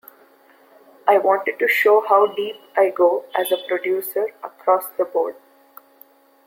I wanted to show how deep I go as a producer across the board.